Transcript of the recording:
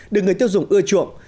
được người tiêu dùng ưa chuộng